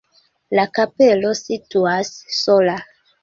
La kapelo situas sola.